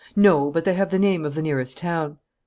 "No, but they have the name of the nearest town."